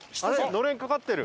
のれんかかってる。